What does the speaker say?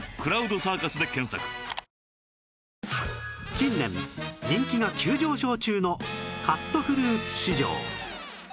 近年人気が急上昇中のカットフルーツ市場